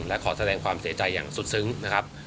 และขอแสดงความเสียใจอย่างสุดซึ้งนะครับ